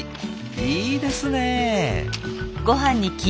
いいですね。